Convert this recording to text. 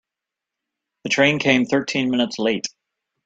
The train came thirteen minutes late.